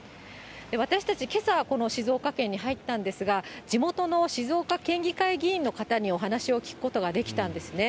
私たちけさ、この静岡県に入ったんですが、地元の静岡県議会議員の方にお話を聞くことができたんですね。